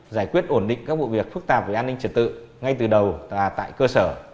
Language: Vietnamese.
giải quyết ổn định các vụ việc phức tạp về an ninh trật tự ngay từ đầu tại cơ sở